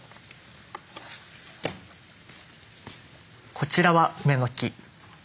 こちらはウメの木。